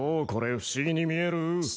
不思議に見える？